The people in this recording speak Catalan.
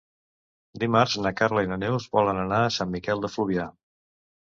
Dimarts na Carla i na Neus volen anar a Sant Miquel de Fluvià.